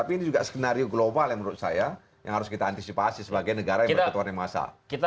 tapi ini juga skenario global yang menurut saya yang harus kita antisipasi sebagai negara yang berketuan yang massa